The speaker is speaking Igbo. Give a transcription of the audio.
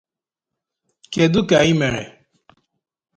Kedu ka ị mere?